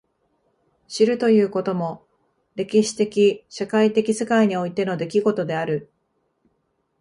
知るということも歴史的社会的世界においての出来事である。